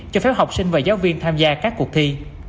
cho phép học sinh và giáo viên tham gia các cuộc thi